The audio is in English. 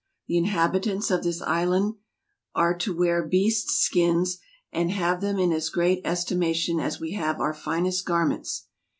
The inhabitants of this Island vse to weare beasts skinnes, and haue them in as great estimation as we haue our finest garments.